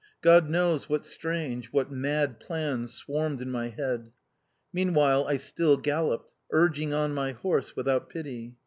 God knows what strange, what mad plans swarmed in my head... Meanwhile I still galloped, urging on my horse without pity.